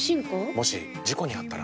もし事故にあったら？